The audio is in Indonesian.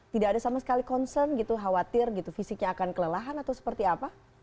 tidak ada sama sekali concern gitu khawatir gitu fisiknya akan kelelahan atau seperti apa